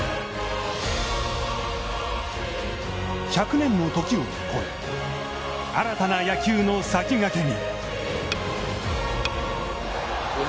１００年の時を超え、新たな野球の先駆けに。